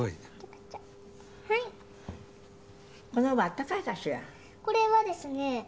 これはですね。